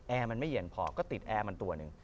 แอร์มันไม่เหี่ยนพอก็ติดตัวแอร์หนึ่ง